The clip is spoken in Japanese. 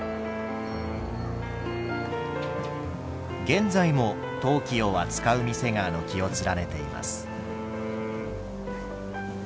現在も陶器を扱う店が軒を連ねています。